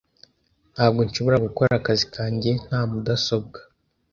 Ntabwo nshobora gukora akazi kanjye nta mudasobwa .